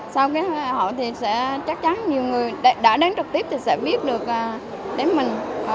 sau cái hội thì sẽ chắc chắn nhiều người đã đến trực tiếp thì sẽ biết được đến mình